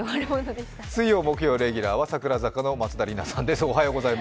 水曜・木曜レギュラーは櫻坂４６の松田里奈さんです。